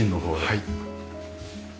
はい。